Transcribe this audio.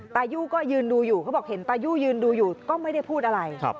ตายู่ก็ยืนดูอยู่เขาบอกเห็นตายู่ยืนดูอยู่ก็ไม่ได้พูดอะไร